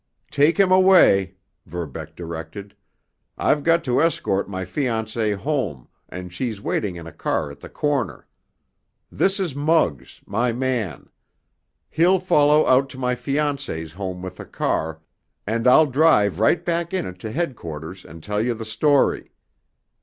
"Take him away," Verbeck directed. "I've got to escort my fiancée home, and she's waiting in a car at the corner. This is Muggs, my man. He'll follow out to my fiancée's home with the car, and I'll drive right back in it to headquarters and tell you the story.